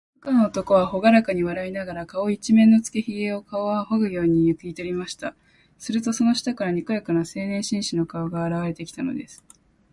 部下の男は、ほがらかに笑いながら、顔いちめんのつけひげを、皮をはぐようにめくりとりました。すると、その下から、にこやかな青年紳士の顔があらわれてきたのです。